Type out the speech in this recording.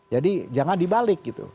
jadi jangan dibalik gitu